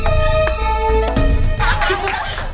yuh tu gue di las eno